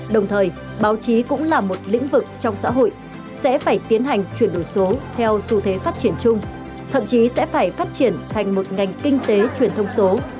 đồng thời báo chí cũng là một lĩnh vực trong xã hội sẽ phải tiến hành chuyển đổi số theo xu thế phát triển chung thậm chí sẽ phải phát triển thành một ngành kinh tế truyền thông số